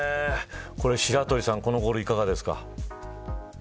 白鳥さん、このゴールいかがですか。